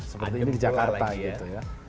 seperti ini ke jakarta gitu ya